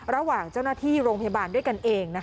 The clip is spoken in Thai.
ระหว่างเจ้าหน้าที่โรงพยาบาลด้วยกันเอง